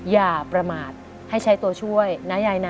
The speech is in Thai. อย่าประมาทให้ใช้ตัวช่วยนะยายนะ